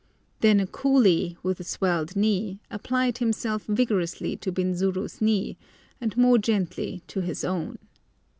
Then a coolie, with a swelled knee, applied himself vigorously to Binzuru's knee, and more gently to his own.